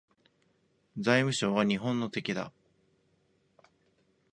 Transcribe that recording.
財務省は日本の敵だ